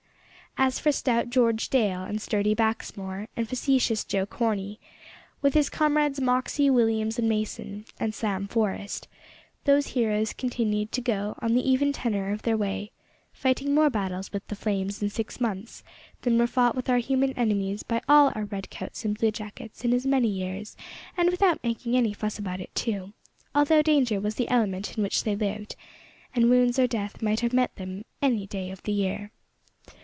As for stout George Dale, and sturdy Baxmore, and facetious Joe Corney, with his comrades Moxey, Williams, and Mason, and Sam Forest, those heroes continued to go on the even tenor of their way, fighting more battles with the flames in six months than were fought with our human enemies by all our redcoats and blue jackets in as many years, and without making any fuss about it, too, although danger was the element in which they lived, and wounds or death might have met them any day of the year.